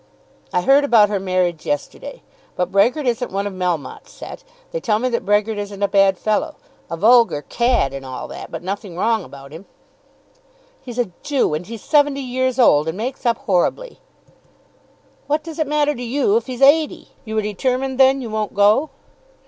"I heard about her marriage yesterday. But Brehgert isn't one of Melmotte's set. They tell me that Brehgert isn't a bad fellow. A vulgar cad, and all that, but nothing wrong about him." "He's a Jew, and he's seventy years old, and makes up horribly." "What does it matter to you if he's eighty? You are determined, then, you won't go?"